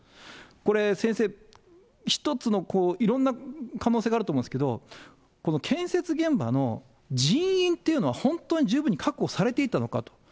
これ、先生、一つのいろんな可能性があると思うんですけど、この建設現場の人員っていうのは、本当に十分に確保されていたのかと。